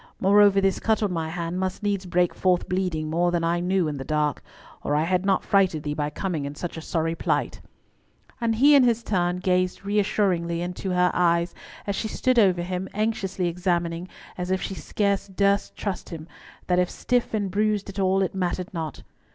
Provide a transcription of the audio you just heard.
Moreover, this cut on my hand must needs break forth bleeding more than I knew in the dark, or I had not frighted thee by coming in such sorry plight," and he in his turn gazed reassuringly into her eyes as she stood over him, anxiously examining, as if she scarce durst trust him, that if stiff and bruised at all, it mattered not.